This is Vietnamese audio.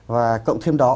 và cộng thêm đó